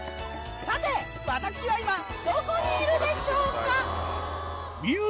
さて私は今どこにいるでしょうか？